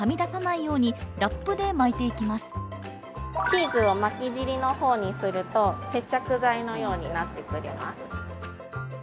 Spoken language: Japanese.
チーズを巻き尻の方にすると接着材のようになってくれます。